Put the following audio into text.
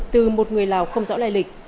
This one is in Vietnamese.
từ một người lào không rõ lẻ lịch